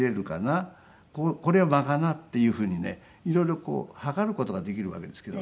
これは間がなっていうふうにね色々計る事ができるわけですけどね。